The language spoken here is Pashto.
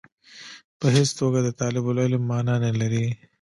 په هېڅ توګه د طالب العلم معنا نه لري.